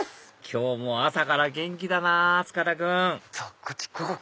今日も朝から元気だなぁ塚田君そうこっち！